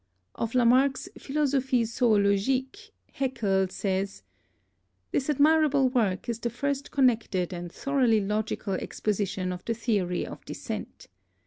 Of Lamarck's Philosophic Zoologique Haeckel says: "This admirable work is the first connected and thoroly logical exposition of the theory of descent."